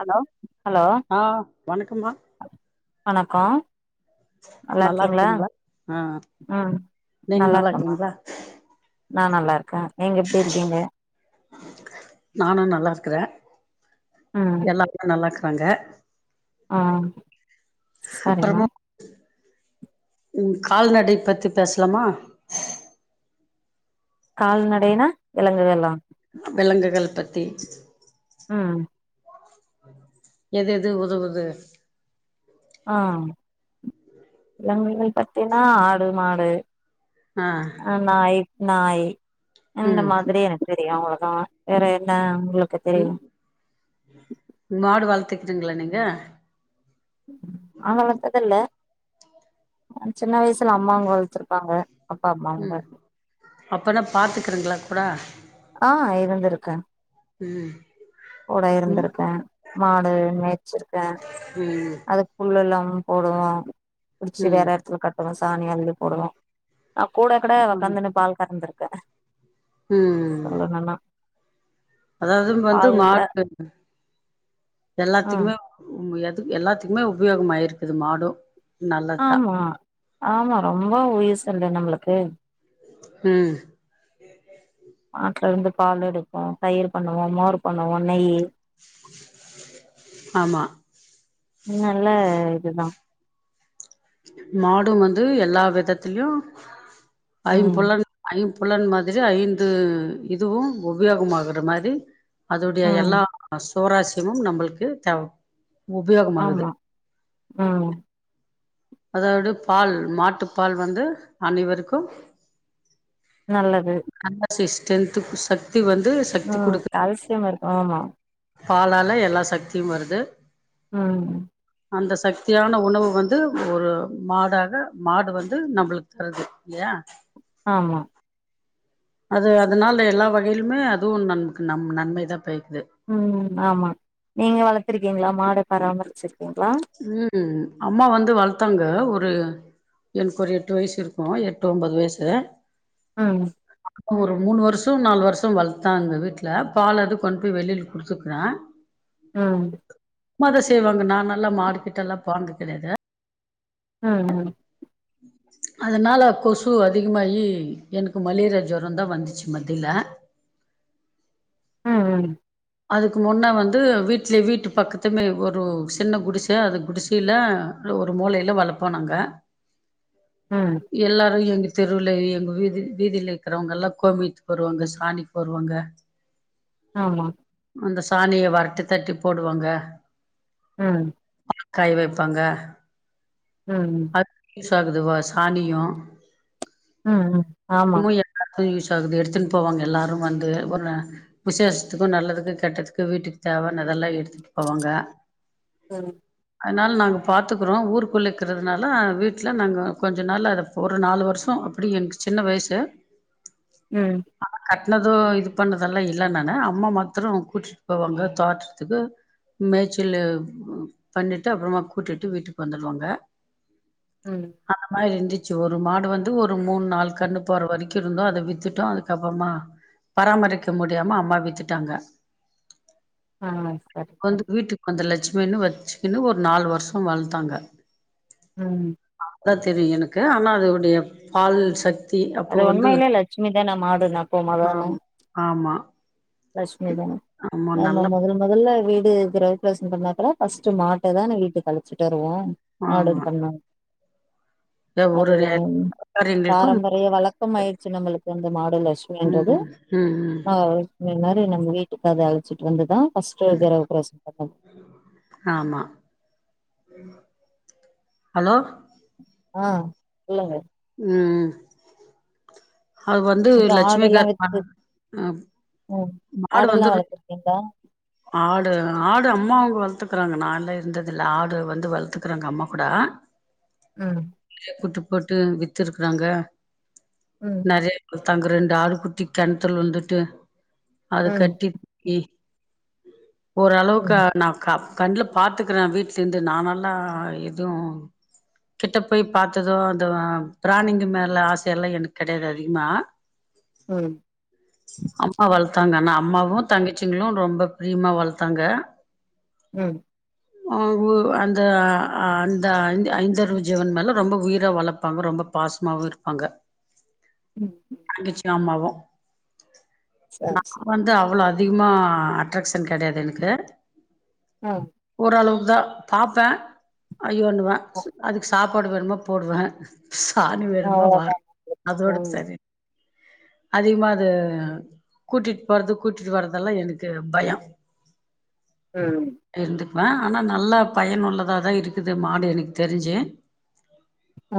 Hello ஆ வணக்கம்மா வணக்கோ நல்லா நல்லார்க்கீங்களா இருக்கீங்களா ஆ ம் நீங்க நல்லா இருக்கம்மா இருக்கீங்களா நா நல்லா இருக்கே நீங்க எப்டி இருக்கீங்க நானு நல்லா இருக்கிறே ம் எல்லாருமே நல்லா இருக்கறாங்க ஆ சரிம்மா அப்புறமா ம் கால்நடை பத்தி பேசலாமா கால்நடைனா விலங்குகளா வெலங்குகள் பத்தி ம் எது எது உதவுது ஆ விலங்குகள் பத்தீன்னா ஆடு மாடு ஆ நாய் நாய் இந்த ம் மாதிரி எனக் தெரியு அவ்ளதா வேற என்ன உங்களுக்கு தெரியு ம் மாடு வளத்துக்குறீங்களா நீங்க ஆங்க வளத்தது இல்ல சின்ன வயசுல அம்மாவுங்க வள்த்துருப்பாங்க அப்பா ம் அம்மாங்க அப்பனா பாத்துக்குறங்களா கூட ஆ இருந்துருக்கே ம் கூட ம் இருந்திருக்கே மாடு மேச்சிருக்கே ம் அதுக் புல்லெல்லா போடுவோ புடிச்சி ம் வேற எடத்துல கட் [unintelligible] சாணி அள்ளி போடுவோ அக் கூட கட ம் உக்காந்துன்னு பால் கறந்துருக்கே ம் சொல்லுங்கன்னா அதாவது வந்து மாட்டு ம் எல்லாத்துக்குமே உ எது எல்லாத்துக்குமே உபயோகமா இருக்குது மாடு ஆமா ஆமா ரொம்ப உயிஸ் இல்ல நம்மளுக்கு ம் மாட்டுல இருந்து பால் எடுப்போ தயிர் பண்ணுவோ மோர் பண்ணுவோ நெய்யி ஆமா நல்ல இதுதா மாடு வந்து எல்லா விதத்திலயு ம் ஐம்புலன் ஐம்புலன் மாதிரி ஐந்து இதுவு உபயோகமாகற மாரி அதுடைய ம் எல்லா சுவராசயமு நம்மளுக்கு தேவ உபயோகமாகுது ஆமா ம் அதோ டு பால் மாட்டு பால் வந்து அனைவருக்கு நல்லது நம்ம ஸ்ட்ரெத்துக்கு சக்தி வந்து சக்தி ம் குடுக்கு தல்சியம் இருக்கு ஆமா பாலால எல்லா சக்தியு வருது ம் அந்த சக்தியான உணவு வந்து ஒரு மாடாக மாடு வந்து நம்மளுக்கு தருது ஏ ஆமா அது அதனால எல்லா வகையிலுமே அதுவு நமக்கு நம் நன்மைதா பயக்குது ம் ஆமா நீங்க வளரத்துருக்கீங்களா மாட பராமரிச்சிருக்கீங்களா ம் அம்மா வந்து வளர்த்தாங்க ஒரு எனக்கு ஒரு எட்டு வயசு இருக்கு எட்டு ஒம்பது வயசு ஆமா ஒரு மூணு வருஷ நாலு வருஷ வளர்த்த அங்க வீட்ல பால் அது கொண்டு போய் வெளில குடுத்துக்குற ஆ ம் அம்மா தா செய்வாங்க நானல்லா மாடுக்கிட்டல்லா போனது கெடையாது ஹம்ம் உம் அதனால கொசு அதிகமாகி எனக்கு மலேரியா ஜொரம தா வந்துச்சு மத்தில ம் ம் அதுக்கு முன்னே வந்து வீட்டிலே வீட்டு பக்கத்துமே ஒரு சின்ன குடிச அது குடிசில ஒரு மூலைல வளப்போ நாங்க ம் எல்லாரு எங்க தெருவுல எங்க வீதி வீதில இருக்கிறவங்க எல்லா கோமியத்துக்கு வருவாங்க சாணிக்கு வருவாங்க ஆமா அந்த சாணிய வரட்டி தட்டி போடுவாங்க ம் காய் வப்பாங்க ம் அது யூஸ் ஆகுதுவா சாணியு ம் ம் ஆமா இன்னமு யூஸ் ஆகுது எடுத்துன் போவாங்க எல்லாரு வந்து ஒரு விசேஷத்துக்கு நல்லது கெட்டதுக்கு வீட்டுக்கு தேவானதெல்லா எடுத்துட்டு போவாங்க ஆ ஆ அதனால் நாங்க பாத்துக்குறோ ஊருக்குள்ளக்குறதுனால வீட்ல நாங்க கொஞ்சோ நாள்வ அத ஒரு நாலு வருஷோ அப்பிடி எனக்கு சின்ன வயசு ம் அ கட்னதோ இது பண்ணதெல்லா இல்ல நானு அம்மா மாத்துரோ கூட்டிட்டு போவாங்க தோட்டதுக்கு மேய்ச்சலு பண்ணிட்டு அப்பறமா கூட்டிட்டு வீட்டுக்கு வந்துடுவாங்க ம் அந்த மாரி இருந்துச்சு ஒரு மாடு வந்து ஒரு மூணு நாள்க் கண்ணு போற வரைக்கு இருந்தோ அத வித்துட்டோ அதுக்கப்புறமா பராமரிக்க முடியாம அம்மா வித்துட்டாங்க ஆ சரி வந்து சரி வீட்டுக்கு வந்த லட்சுமின்னு வச்சுக்கின்னு ஒரு நாலு வருஷோ வளத்தாங்க ம் அதா தெரியு எனக்கு ஆனா அதோடைய பால் சக் அது உண்மயிலே லட்சமி தான் மாடு நமக் ஆம் ஆமா லட்சுமி தா ஆமா நம்ம நல்லா மொதல் மொதல்ல வீடு கிரகப்பிரவேசோ பண்ண அப்பனே ஃபஸ்ட்டு மாட்ட தான வீட்டுக்கு அழிச்சிட்டு வருவோ ஆமா மாடுன்னு [unintelligible] ஒரு அது காரியங்களுக்கும் பாரம்பர் ரியோ வழக்கமாயிடுச்சு நம்மளுக்கு அந்த மாடு லட்சுமின்றது ம் ம் ம் ஆ இந்தே மாரி நம்ம வீட்டுக்கு அத அழச்சிட்டு வந்துதா ஃபர்ஸ்ட் ம் கிரகப்பிரவேசோ பண்றது ஆமா ஹலோ ஆ சொல்லுங்க ம் அது வந்து அப்றோ ஆடெல்லா லட்சுமிக்காகதா வித்து அ ம் அது ஆடெல்லா வந்துரே வளர்த்துருக்கீங்களா ஆடு ஆடு அம்மா அவுங்க வளத்துக்கறாங்க நால்லா இருந்ததில்ல ஆடு வந்து வளத்துக்கிறாங்க அம்மா கூட ம் குட்டி போட்டு வித்துருக்குறாங்க ம் நறைய தங்கற ரெண்டு ஆடு குட்டி கெணத்துல உழுந்துட்டு அது ம் கட்டி கி ஓரளவுக்கு ம் நா க கண்ல பாத்துக்குறே வீட்லருந்தே நா நல்லா எதுவு கிட்ட போய் பாத்தது அந்த பிராணிங்க மேல ஆசையெல்லா எனக்கு கெடையாது அதிகமா ம் அ வளத்தாங்க நா அம்மாவு தங்கச்சிங்களு ரொம்ப பிரியமா வளத்தாங்க ம் ம் ஆ உ அந்த அந்த ஐ ஐஞ்சரிவு ஜீவன் மேலே ரொம்ப உயிரா வளப்பாங்க ரொம்ப பாஸ்மாவு இருப்பாங்க ம் தங்கச்சுயு ஆம்மாவு நா சரி சரி வந்து அவ்ளோ அதிகமா அட்ராகஷன் கெடையாது எனக்கு அ ஓரளவு தா பாப்பே ஐயோன்னுவே அதுக்கு சாப்பாடு வேணுமோ போடுவே சாணி வேணுமா வா அவ்ளோதா [inaudible] அதோட ம் சரி அதிகமாது அ கூட்டிட்டு போறது கூட்டிட்டு வற்றதெல்லா எதுக்கு பயோ ம் இருந்துக்குவே ஆனா நல்லா பயன்ள்ளதா தா இருக்குது மாடு எனக்கு தெருஞ்சு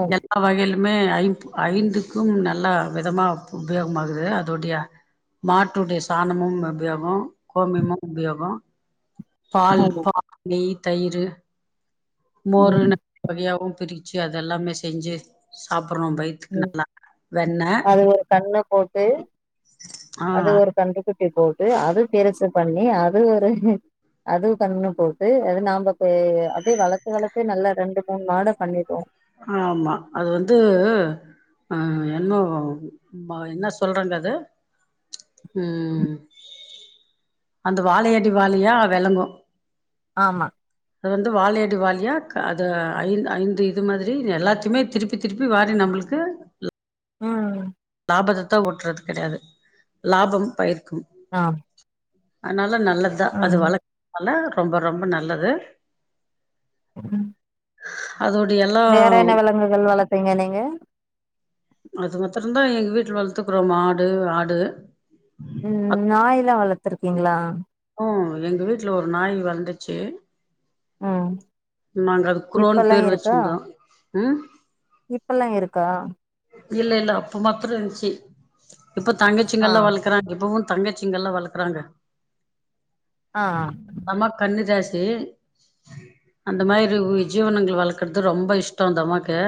ஆமா லக் எல்லா வகையிலுமே ஐம் ஐந்துக்கும் நல்லா விதமா உபயோகமாகுது அதோடைய மாட்டுடைய சாணமு உபயோகோ கோமியமு உபயோகோ பால் ஆமா. நெய் தயிரு ம் மோருன்னு வகையாவு பிருச்சு அதெல்லாமே செஞ்சு சாப்புற்றோ பை ம் அது ஒரு கன்ன போட்டு ஆ அது ஒரு கன்டுக்குட்டி போட்டு அது பெருசு பண்ணி அது ஒரு அதுவு கன்னு போட்டு அது நாம பே அப்டியே வளத்து வளத்தே நல்லா ரெண்டு மூணு மாட பண்ணிட்டோ ஆமா அது வந்து அ என்னு ப என்ன சொல்றாங்க அத ம் அந்த வாழையடி வாழையா வெளங்கு ஆமா அது வந்து வாழையடி வாழையா க அது ஐந்து ஐந்து இது மாதிரி எல்லாத்தையுமே திருப்பி திருப்பி வாரி நம்மளுக்கு ம் லாபத்தைத்தா ஓட்றது கெடையாது லாபம் பயிர்க்கும் ஆம் அதுனால நல்லதுதா அது ம் வளர்க்கறனால ரொம்ப ரொம்ப நல்லது ம் அதுடைய எல்லா வேற என்ன விலங்குகள் வளத்தீங்க நீங்க அது மத்தரந்தா எங்கள் வீட்ல வளத்துக்குறோ மாடு ஆடு ம் நாயிலா வளத்துருக்கீங்களா ம் எங்க வீட்ல ஒரு நாய் வளந்துச்சு ம் நாங்க அது குரோன்னு இப்பல்லா பேர் இருக்கா வச்சிருந்தோ ம் இப்பல்லா இருக்கா இல்ல இல்ல அப்ப மாத்தரோ இருந்ச்சி இப்ப ஆ தங்கச்சிங்கல்லா வளக் குறாங்க இப்பவு தங்கச்சிங்கல்லா வளக்குறாங்க ஆ நமக் கன்னி ஜாசி அந்த மாரி வு ஜீவனங்கள வளக்கறது ரொம்ப இஷ்டோ அந்தம்மாக்கு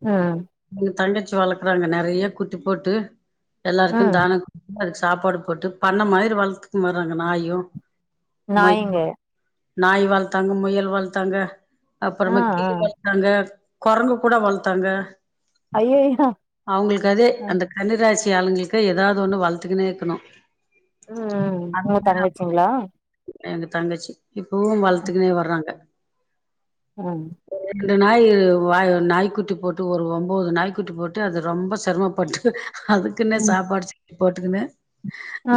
அ எங்க தங்கச்சி வளக்குறாங்க நெறைய குட்டி போட்டு எல்லாருக்கு ம் தானோ அதுக்கு சாப்பாடு போட்டு பண்ண மாரி வளத்துக்கு வர்றாங்க நாயு மொய் நாயிங்க நாய் வளத்தாங்க முயல் வளத்தாங்க ஆ அப்பறமா ஆ கீழை தாங்க கொரங்கு கூட வளத்தாங்க ஐயய்யோ அவுங்களுக்கு அதே ம் அந்த கண்ணிராசி ஆளுங்களுக்கு ஏதாவது ஒண்ணு வளத்துக்குனே இருக்கணு [unintelligible] ங்களா எங்க தங்கச்சி இப்பவு வளத்துக்குனே வர்றாங்க ம் ரெண்டு நாய் வ நாய்க் குட்டி போட்டு ஒரு ஒன்போது நாய்க் குட்டி போட்டு அது ரொம்ப செரமப்பட்டு டு அது துக்குன்னே ம் சாப்பாடு செஞ்சு போட்டுக்குனு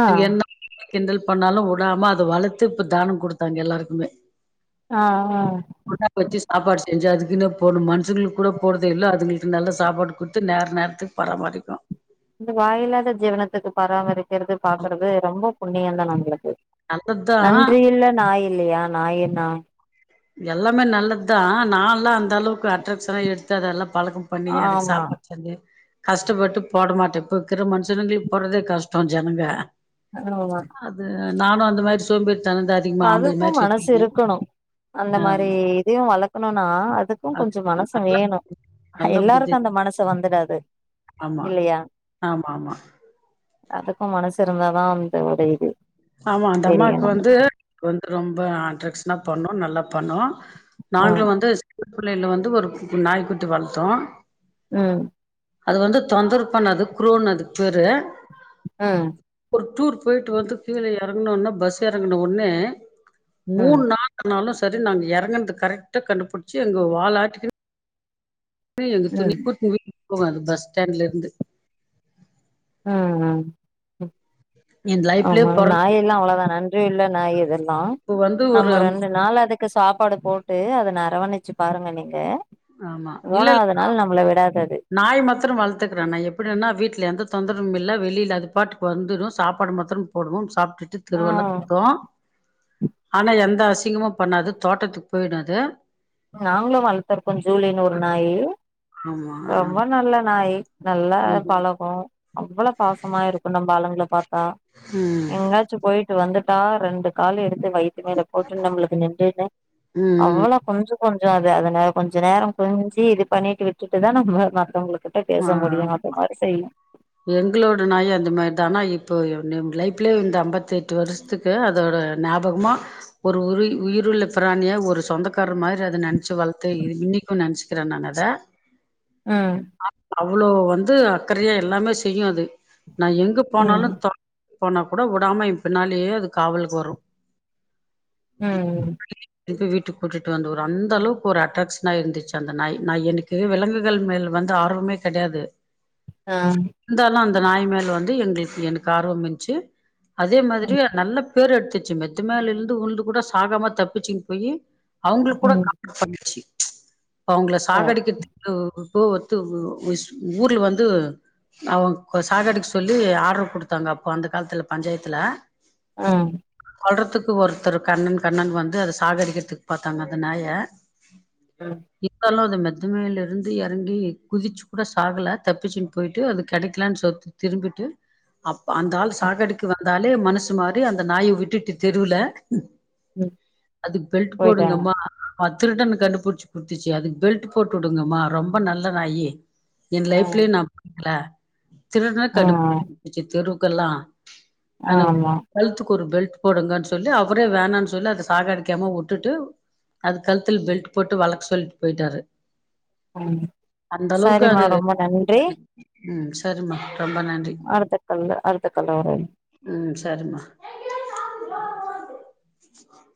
ஆ என்ன கிண்டல் பண்ணாலு வுடாம அத வளத்து இப்போ தானம் கொடுத்தாங்க எல்லாருக்குமே ஆ ஆ குண்டால வச்சு சாப்பாடு செஞ்சு அதுக்குன்னு போணும் மனுஷங்களுக்கு கூட போடுதே இல்லை அதுங்களுக்கு நல்ல சாப்பாடு குத்து நேர நேரத்துக்கு பராமரிக்கும் இந்த வாயிலாத ஜீவனத்துக்கு பராமரிக்கறது பாக்குறது ரொம்ப புண்ணியம் தா நம்மளுக்கு நல்லதுதா நன்றியுள்ள நாய் இல்லயா நாய்னா எல்லாமே நல்லது தா நாலாம் அந்த அளவுக்கு அட்ராக்ஷனா எடுத்து அதல்லாம் பழக்கம் பண்ணி அதுக்கு ஆமா சாப்பாடு ச்சு கஷ்டப்பட்டு போட மாட்டேன் இப்போ இருக்கற மனுஷனுங்களுக்கு போடுறதே கஷ்டம் ஜனங்க ஆமா அது நானு அந்த மாரி சோம்பேரி தனம் தா அகுக்கும் மனசு இருக்கணு அந்த மாரி ஆமா இதயும் வளக்கணும்னா அது க்கும் கொஞ்ச மனசு வேணும் நல்ல புத்தி எல்லாருக்கும் அந்த மனசு வந்துடாது ஆமா ஆமா ஆமா அதுக்கும் மனசு இருந்தாதா அந்த ஒரு இது ஆமா அந்த தெரியு அம்மாக்கு நம்ம வந்து வந்து ரொம்ப அட்ரஷனா பண்ணு நல்லா பண்ணு ஆ நாங்களும் வந்து சின்ன பிள்ளைல வந்து ஒரு நாய்க்குட்டி வளத்தோ ம் அது வந்து தொந்தர பண்ணது க்ருன்னு அதுக்கு பேரு ம் ஒரு டூர் போயிட்டு வந்து கீழ எறங்கன ஒனே பஸ் எறங்கன ஒனே ம் மூணு நாள் ஆனாலு சரி நாங்க எறங்னது கரெக்ட்டா கண்டுபிடிச்சு எங்க வாலாட்டிக் எங்க ம் துணிக்கூட்டு துக்கிட்டு போகும் அந்த பஸ் ஸ்டாண்ட்லந்து அ ன் என் லைஃப்லயே ஆமா பொறந்து நாயல்லாம் அவ்ளதான றி உள்ள நாய் அதல்லாம் இப்ப வந்து ஒரு நம்ம ரெண்டு நாள் அதுக் க்கு சாப்பாடு போட்டு அத அரவணிச்சு பாருங்க நீங்க ஆமா இல்ல மூணாவது நாள் நம்மள விடாது அது நாய் மத்தரம் வளத்துக்கறேன் நா எப்டின்னா வீட்ல எந்த தொந்தரமும் இல்ல வெளில அது பாட்டுக்கு வந்துடு சாப்பாடு மாத்திரம் போடவும் சாப்ட்டு ஆ தெருவெல்லாம் சுத்தும் ஆனா எந்த அசிங்கமும் பண்ணாது தோட்டத்துக்கு போயிடு அது நாங்களும் வளத்துர்க்கோ ஜூலினு ஒரு நாயி ஆமா ரொம்ப நல்ல நாயி நல்லா ம் பழகும் அவ்ளோ பாசமா இருக்கும் நம்ப ஆளுங்கள பாத்தா ம் எங்காச் சும் போயிட்டு வந்துட்டா ரெண்டு காலயு எடுத்து வயித்து மேல போட்டு நம்புளுக்கு நெம்மேல ம் அவ்ளோ கொஞ்சும் கொஞ்சாது அத கொஞ்ச நேரோ கொஞ்சி இது பண்ணிட்டு விட்டுட்டுதா நம்ம மத்தவங்களுக்கு ஆ பேச முடியும் அது மாரி செய்யும் எங்களோட நாயும் அந்த மாரி தா ஆனா இப்போ லைஃப்லயே இந்த அம்பத்தெட் ட்டு வருஷத்துக்கு அதோட ஞாபகமா ஒரு உரி உயிருள்ள பிராணியா ஒரு சொந்தக்காரர் மாரி அத நெனைச்சு வள த்த இன்னிக்கும் நெனச்சக்குற நா அத ம் அவ்ளோ வந்து அக்கறையா எல்லாமே செய்யு அது நா எங்க ம் போனாலும் தொ போனா கூட விடாம எ பின்னாலயே அது காவல்க்கு வரும் ம் க்கு வீட்டுக்கு கூட்டுட்டு வந்து அந்த அளவுக்கு ஒரு அட்டாக்ஷனா இருந்துச்சு அந்த நாயி நா எனக்கு விலங்குகள் மேல வந்து ஆர்வமே கடையாது ஆ இருந்தாலும் அந்த நாய் மேல வந்து எங்குளுக்கு எனக்கு ஆர்வம் இருந்துச்சு அதே மாதிரி ம் நல்ல பேரு எடுத்துர்ச்சு மெத்து மேல இருந்து உழுந்து கூட சாகமா தப்பிச்சுங் போயி அவுங்குளுக்கு கூட ம் பண்ணுச்சு இப்ப அவுங்கள ஆ சாக அடிக்கிறதுக்கு இப்போ ஒத்து ஊர்ல வந்து அவுங்க சாகடிக்க சொல்லி ஆடரு குடுத்தாங்க அப்போ அந்த காலத்துல பஞ்சாயத்துல ம் கொல்றதுக்கு ஒருத்தர் கண்ணன் கண்ணன் வந்து அத சாகடிக்கிறதுக்கு பாத்தாங்க அந்த நாய ம் இப்பல்லாம் அந்த மெத்த மேல இருந்து எ றங்கி குதிச்சு கூட சாகல தப்பிச்சுனு போயிட்டு அது கிடைக்கலனு சொத் திரும்பிட்டு அப்ப அந்த ஆள் சாகடுக்கு வந்தாலே மனசு மாரி அந்த நாய விட்டுட்டு தெருல ம் அதுக்கு பெல்ட் போயிட்டாங்க போடுங்கம்மா அது திருடன கண்டுபிடிச்சு குடித்துச்சு அதுக்கு பெல்ட் போட்டு விடுங்கம்மா ரொம்ப நல்ல நாயி என் ஆ லைஃப்லயும் நான் பாக்கல திருடன ஆ கண்டு புடிச்சு குடுத்துச்சி தெருவுக்கெல்லாம் ஹலோ ஆமா கழுத்துக்கு ஒரு பெல்ட் போடுங்கனு சொல்லி அவுரே வேணானு சொல்லி அத சாக அடிக்காம விட்டுட்டு அது கலுத்துல பெல்ட் போட்டு வளக் சொல்லிட்டு போயிட்டாரு ம் அந்த அளவுக்கு சரிமா அது ரொம்ப நன்றி ம் சரிமா ரொம்ப நன் அடுத்த கால்ல அடுத்த கால்ல வரேன் ம் சரிமா